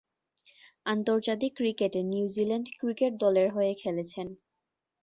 আন্তর্জাতিক ক্রিকেটে New Zealand cricket দলের হয়ে খেলেছেন।